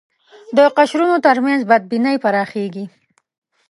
د قشرونو تر منځ بدبینۍ پراخېږي